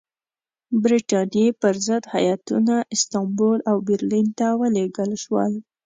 برټانیې پر ضد هیاتونه استانبول او برلین ته ولېږل شول.